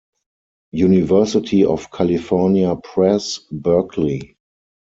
University of California Press, Berkeley.